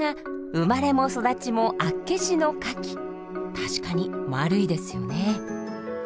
確かに丸いですよね。